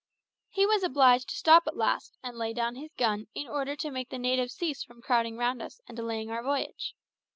He was obliged to stop at last and lay down his gun in order to make the natives cease from crowding round us and delaying our voyage.